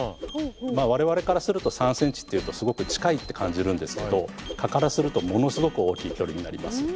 まあ我々からすると３ｃｍっていうとすごく近いって感じるんですけど蚊からするとものすごく大きい距離になります。